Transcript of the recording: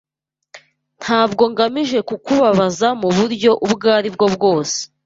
Ntabwo ngamije kukubabaza muburyo ubwo aribwo bwose.